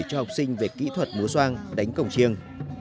cho học sinh về kỹ thuật múa soang đánh cổng chiêng